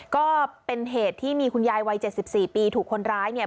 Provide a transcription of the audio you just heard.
ก็เป็นเหตุที่มีคุณยายวัย๗๔ปีถูกคนร้ายเนี่ย